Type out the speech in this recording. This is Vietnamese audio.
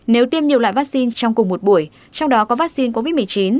nếu tiêm nhiều loại vaccine trong cùng một buổi trong đó có vaccine covid một mươi chín